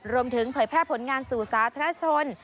รวมถึงเผยแพร่ผลงานสูญศาสตร์ธนชน